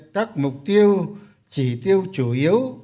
các mục tiêu chỉ tiêu chủ yếu